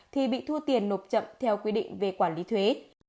thì bị thu tiền nộp chậm theo quy định về quản lý thuế